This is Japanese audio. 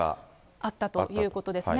あったということですね。